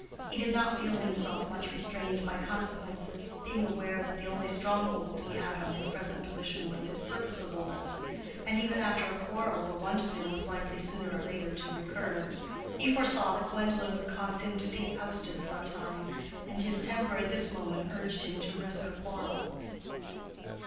He did not feel himself much restrained by consequences, being aware that the only strong hold he had on his present position was his serviceableness; and even after a quarrel the want of him was likely sooner or later to recur. He foresaw that Gwendolen would cause him to be ousted for a time, and his temper at this moment urged him to risk a quarrel.